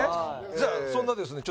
じゃあそんなですね